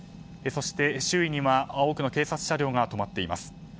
そして、周囲には多くの警察車両が止まっています。